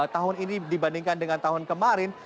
tahun ini dibandingkan dengan tahun kemarin